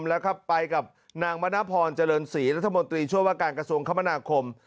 แล้วครับไปกับนางมณพรเจริญศรีรัฐมนตรีช่วยว่าการกระทรวงคมนาคม